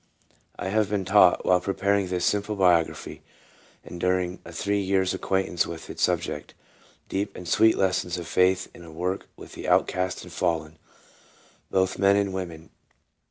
I have been taught, while preparing this simple biography, and during a three years' acquaintance with its subject, deep and sweet lessons of faith in work with the outcast and fallen, both men and women.